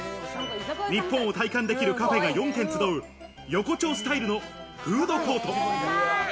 日本を体感できるカフェが４軒集う、横丁スタイルのフードコート。